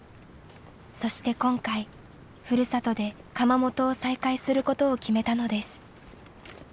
そして今回ふるさとで窯元を再開することを決めたのです。